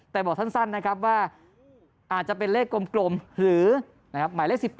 แต่บอกสั้นนะครับว่าอาจจะเป็นเลขกลมหรือหมายเลข๑๘